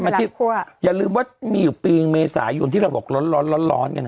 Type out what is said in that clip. เมื่อกี่อาทิตยุอาร้อนกัน